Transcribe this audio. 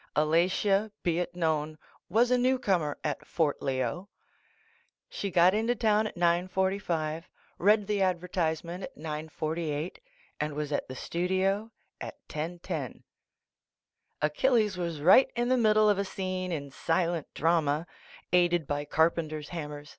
Alatia. be it known, was a newcomer at Fort Leo. She got into town at 9 :45, read the ad vertisement at 9 :48, and was at the studio at 10:10. Achilles was right in the middle of a scene in silent drama, aided by carpenters' hammers